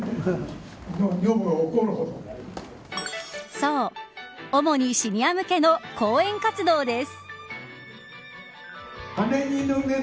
そう、主にシニア向けの講演活動です。